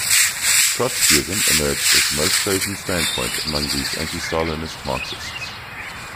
Trotskyism emerged as the most chosen standpoint among these anti-Stalinist Marxists.